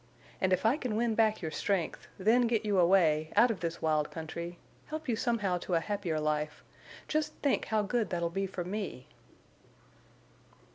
And if I can win back your strength—then get you away, out of this wild country—help you somehow to a happier life—just think how good that'll be for me!"